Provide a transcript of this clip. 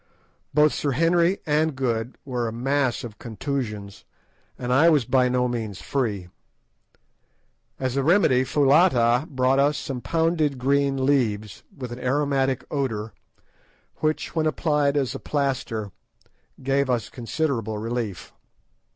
Both Sir Henry and Good were a mass of contusions, and I was by no means free. As a remedy Foulata brought us some pounded green leaves, with an aromatic odour, which, when applied as a plaster, gave us considerable relief.